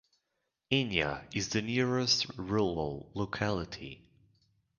Inya is the nearest rural locality.